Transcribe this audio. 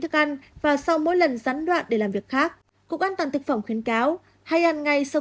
thức ăn và sau mỗi lần gián đoạn để làm việc khác cục an toàn thực phẩm khuyến cáo hay ăn ngay sau